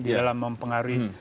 di dalam mempengaruhi